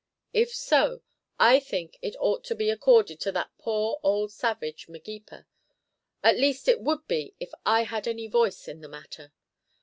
If so I think it ought to be accorded to that poor old savage, Magepa, at least it would be if I had any voice in the matter.